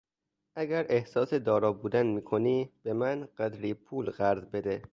اگر احساس دارا بودن میکنی به من قدری پول قرض بده.